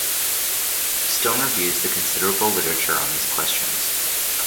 Stone reviews the considerable literature on these questions.